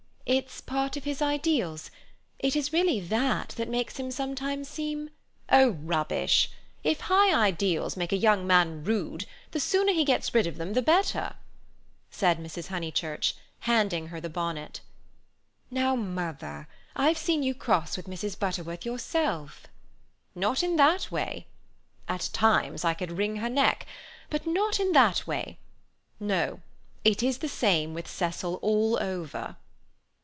"It's part of his ideals—it is really that that makes him sometimes seem—" "Oh, rubbish! If high ideals make a young man rude, the sooner he gets rid of them the better," said Mrs. Honeychurch, handing her the bonnet. "Now, mother! I've seen you cross with Mrs. Butterworth yourself!" "Not in that way. At times I could wring her neck. But not in that way. No. It is the same with Cecil all over."